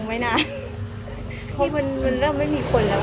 คงไม่นานพี่มันมันเริ่มไม่มีคนแล้วอ่ะค่ะ